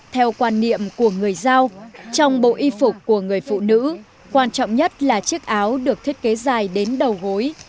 theo quan niệm của người giao trong bộ y phục của người phụ nữ quan trọng nhất là chiếc áo được thiết kế dài đến đầu gối